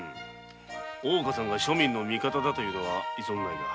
大岡さんが庶民の味方だというのに異存はないが。